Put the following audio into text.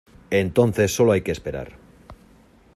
entonces solo hay que esperar.